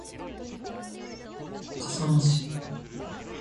笠間市